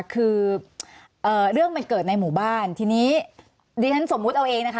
คือเรื่องมันเกิดในหมู่บ้านทีนี้ดิฉันสมมุติเอาเองนะคะ